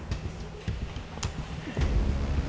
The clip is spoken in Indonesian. ini ada orang yang mencuri elsa